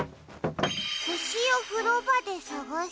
「ほしをふろばでさがせ。